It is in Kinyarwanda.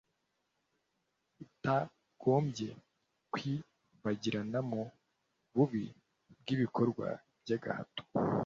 itagombye kwibagirana mu bubi bw'ibikorwa by'agahato